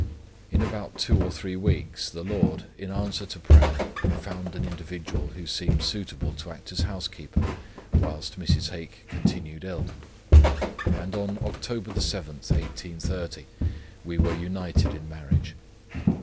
In about two or three weeks the Lord, in answer to prayer, found an individual, who seemed suitable to act as housekeeper, whilst Mrs. Hake continued ill; and on Oct. 7, 1830, we were united in marriage.